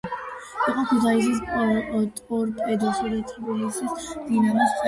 იყო ქუთაისის „ტორპედოსა“ და თბილისის „დინამოს“ წევრი.